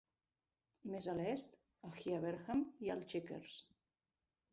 Més a l'est a Heaverham hi ha el Chequers.